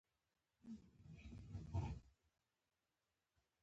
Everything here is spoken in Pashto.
مه تریږه، هر پیرودونکی ارزښت لري.